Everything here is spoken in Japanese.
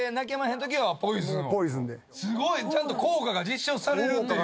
すごい！ちゃんと効果が立証されるっていう。